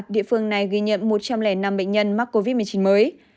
địa phương này ghi nhận một trăm linh năm bệnh nhân mắc covid một mươi chín mới